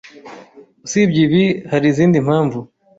Usibye ibi, hari izindi mpamvu.